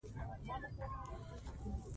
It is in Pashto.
زغال د افغانستان د چاپیریال ساتنې لپاره مهم دي.